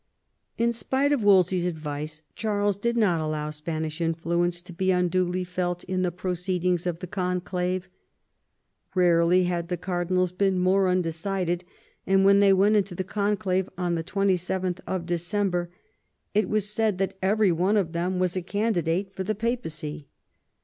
In spite of Wolsey's advice Charles did not allow Spanish influence to be unduly felt in the proceedings of the conclava Barely had the cardinals been more un decided, and when they went into the conclave on 27th December, it was said that every one of them was a candidate for the Papacy.